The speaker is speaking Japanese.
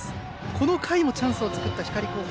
この回もチャンスを作った光高校。